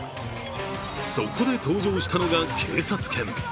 そこで登場したのが警察犬。